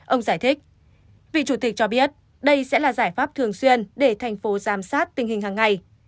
ông giải thích vị chủ tịch cho biết đây sẽ là giải pháp thường xuyên để thành phố giám sát tình hình hàng ngày